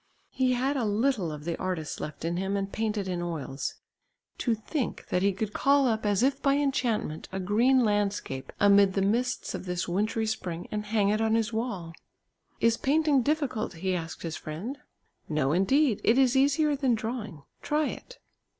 He had a little of the artist left in him and painted in oils. To think that he could call up as if by enchantment a green landscape amid the mists of this wintry spring and hang it on his wall! "Is painting difficult?" he asked his friend. "No, indeed! It is easier than drawing. Try it!"